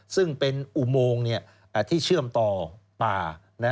ซึ่งเป็นอุโมงที่เชื่อมต่อป่า